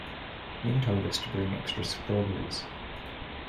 Ying told us to bring extra strawberries.